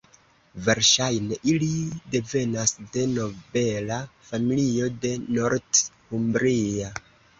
Verŝajne ili devenas de nobela familio de Northumbria.